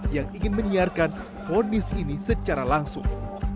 yang ingin menyiarkan fonis ini secara langsung